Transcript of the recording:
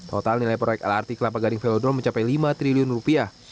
total nilai proyek lrt kelapa gading velodro mencapai lima triliun rupiah